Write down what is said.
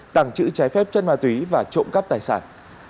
tặng chữ trái phép chất ma túy và trộm cắp tài sản